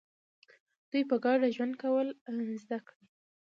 دوی په ګډه ژوند کول زده کړي.